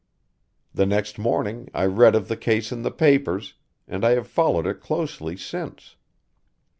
The next morning I read of the case in the papers and I have followed it closely since.